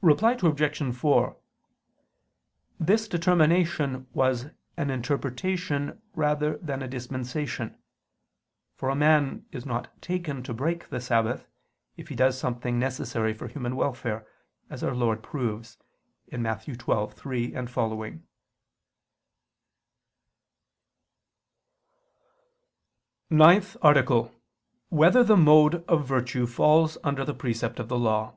Reply Obj. 4: This determination was an interpretation rather than a dispensation. For a man is not taken to break the Sabbath, if he does something necessary for human welfare; as Our Lord proves (Matt. 12:3, seqq.). ________________________ NINTH ARTICLE [I II, Q. 100, Art. 9] Whether the Mode of Virtue Falls Under the Precept of the Law?